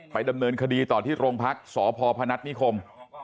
ดำเนินคดีต่อที่โรงพักษ์สพพนัฐนิคม